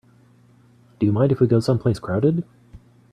Do you mind if we go someplace crowded?